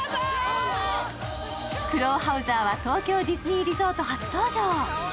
クロウハウザーは東京ディズニーリゾート初登場。